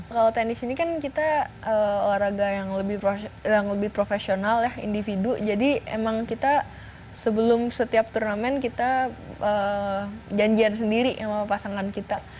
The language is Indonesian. kalau tenis ini kan kita olahraga yang lebih profesional ya individu jadi emang kita sebelum setiap turnamen kita janjian sendiri sama pasangan kita